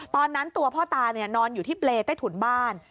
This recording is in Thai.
ตอนนั้นตัวพ่อตานอนอยู่ที่เปรย์ใต้ถุนบ้าน